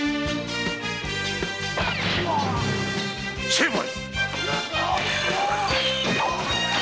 成敗！